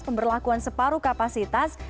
pemberlakuan separuh kapasitas